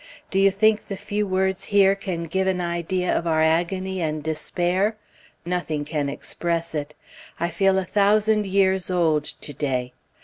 Do you think the few words here can give an idea of our agony and despair? Nothing can express it. I feel a thousand years old to day.